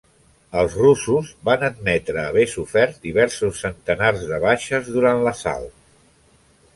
Els russos van admetre haver sofert diversos centenars de baixes durant l'assalt.